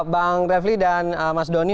bang refli dan mas doni